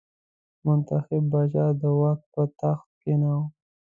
منتخب پاچا د واک پر تخت کېناوه.